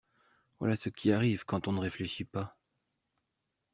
Voilà ce qui arrive quand on ne réfléchit pas!